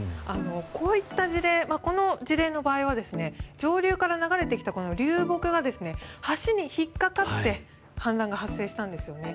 こういった事例この事例の場合は上流から流れてきた流木が橋に引っかかって氾濫が発生したんですね。